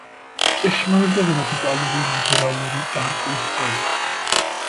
ჭეშმარიტად რადიკალური ლიბერალური პარტიის წევრი.